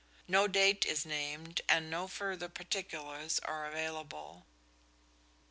No date is named, and no further particulars are available.